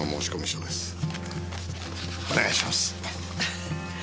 お願いします。